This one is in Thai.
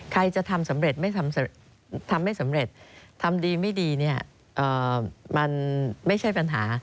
ใครจะทำสำเร็จไม่ทำไม่สำเร็จทำดีไม่ดีเนี่ยมันไม่ใช่ปัญหา